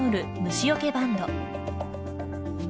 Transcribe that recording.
虫よけバンド。